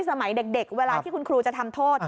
สมัยเด็กเวลาที่คุณครูจะทำโทษ